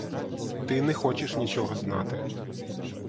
Ти не хочеш нічого знати.